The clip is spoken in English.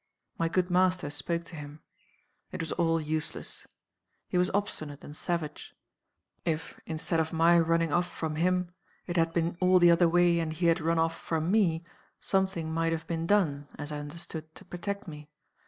My good master spoke to him. It was all useless. He was obstinate and savage. If instead of my running off from him it had been all the other way and he had run off from me, something might have been done (as I understood) to protect me.